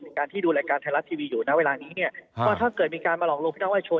การที่ดูรายการไทยรัฐทีวีอยู่นะเวลานี้เนี่ยว่าถ้าเกิดมีการมาหลอกลวงพี่น้องประชาชน